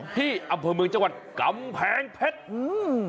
ที่อำเภอเมืองจังหวัดกำแพงเพชรอืม